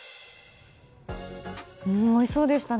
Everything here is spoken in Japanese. おいしそうでしたね。